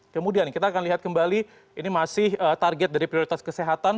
kemudian kita akan lihat kembali ini masih target dari prioritas kesehatan